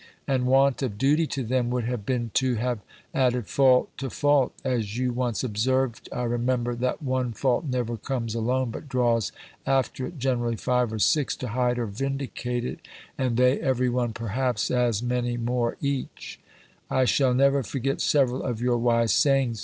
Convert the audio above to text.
And want of duty to them woulde have been to have added faulte too faulte: as you once observed, I remember, that one faulte never comes alone, but drawes after itt generally five or six, to hide or vindicate itt, and they every one perhapps as many more eache. "I shall never forgett severall of youre wise sayinges.